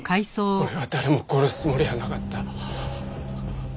俺は誰も殺すつもりはなかった。